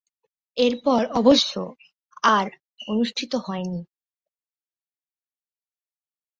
এরপর অবশ্য আর অনুষ্ঠিত হয়নি।